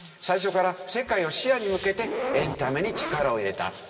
最初から世界を視野に向けてエンタメに力を入れた。